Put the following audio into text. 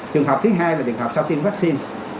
trường hợp thứ hai là trường học sau tiêm vaccine